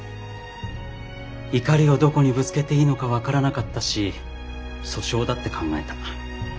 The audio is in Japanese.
怒りをどこにぶつけていいのか分からなかったし訴訟だって考えた。